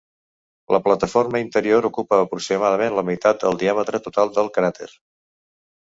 La plataforma interior ocupa aproximadament la meitat del diàmetre total del cràter.